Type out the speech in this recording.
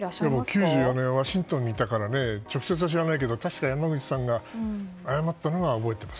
９４年はワシントンにいたから直接は知らないけど確か、山口さんが謝ったのは覚えています。